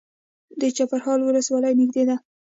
د چپرهار ولسوالۍ نږدې ده